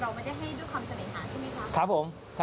ให้ด้วยความสำเร็จค่ะใช่ไหมครับ